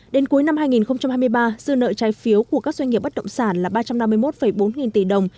đến cuối năm hai nghìn hai mươi ba dư nợ trái phiếu của các doanh nghiệp bất động sản là ba trăm năm mươi một bốn nghìn tỷ đồng